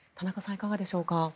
いかがでしょうか。